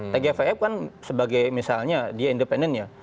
tgpf kan sebagai misalnya dia independen ya